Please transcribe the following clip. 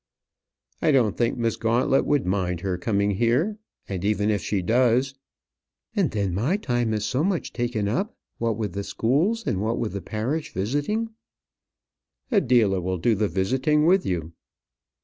"I don't think Miss Gauntlet would mind her coming here; and even if she does " "And then my time is so much taken up what with the schools, and what with the parish visiting " "Adela will do the visiting with you."